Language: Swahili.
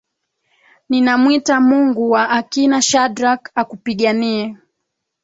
Ninamwita Mungu wa akina Shadrack akupiganie.